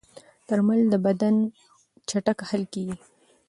درمل د بدن کې چټک حل کېږي.